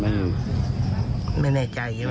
ไม่แน่ใจใช่ไหมครับ